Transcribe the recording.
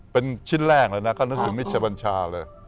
เป็นชิ้นแรกเลยนะก็นึกถึงมิชัยบัญชาเลย